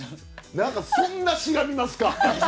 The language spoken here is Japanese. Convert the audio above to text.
何かそんなしがみますか？